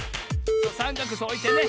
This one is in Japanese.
さんかくそうおいてね。